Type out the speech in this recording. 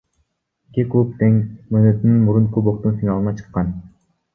Эки клуб тең мөөнөтүнөн мурун Кубоктун финалына чыккан.